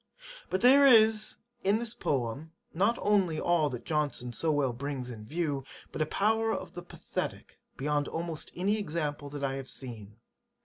But there is in this Poem not only all that Johnson so well brings in view, but a power of the Pathetick beyond almost any example that I have seen.